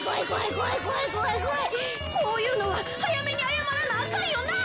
こういうのははやめにあやまらなあかんよな！